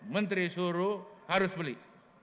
menteri suruh harus beli